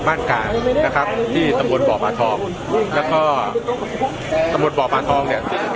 บ้านการนะครับที่สมบัติบ่อบอาทอคแล้วก็สมบัติบ๑๗๐๐